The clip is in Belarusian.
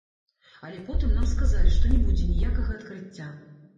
Але потым нам сказалі, што не будзе ніякага адкрыцця.